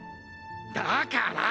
だから！